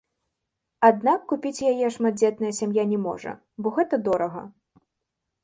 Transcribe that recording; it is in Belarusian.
Аднак купіць яе шматдзетная сям'я не можа, бо гэта дорага.